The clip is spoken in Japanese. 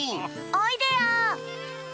おいでよ！